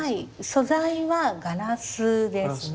素材はガラスですね。